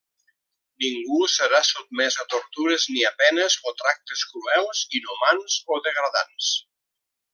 Ningú serà sotmès a tortures ni a penes o tractes cruels, inhumans o degradants.